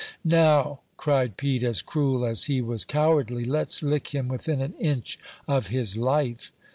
"Now," cried Pete, as cruel as he was cowardly, "let's lick him within an inch of his life."